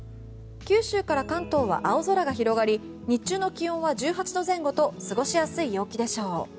九州から関東は青空が広がり日中の気温は１８度前後と過ごしやすい陽気でしょう。